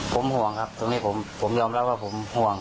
ผมห่วงครับตรงนี้ผมยอมรับว่าผมห่วง